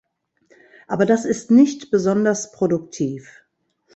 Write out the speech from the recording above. Aber das ist nicht besonders produktiv.